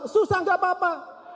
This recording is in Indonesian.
susah enggak apa apa